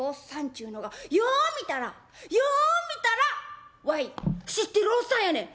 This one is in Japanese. ちゅうのがよう見たらよう見たらわい知ってるおっさんやねん」。